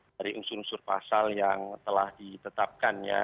dari unsur unsur pasal yang telah ditetapkannya